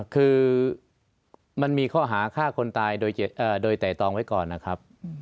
คือมันมีข้อหาฆ่าคนตายโดยไตรตองไว้ก่อนนะครับ